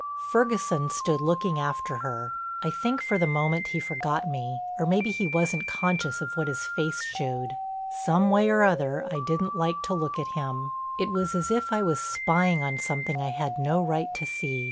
Ferguson stood looking after her. I think for the moment he forgot me, or maybe he wasn't conscious of what his face showed. Some way or other I didn't like to look at him; it was as if I was spying on something I had no right to see.